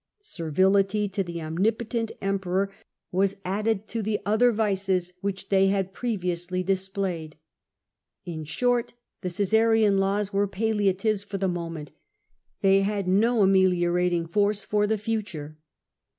Servility to the omnipotent Emperor was added to C^SAE 336 the other vices which they had previously displayed. In short, the Caesarian laws were palliatives for the moment 5 they had no ameliorating force for the future.